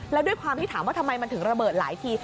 แล้วด้วยความที่ถามว่าทำไมมันถึงระเบิดหลายที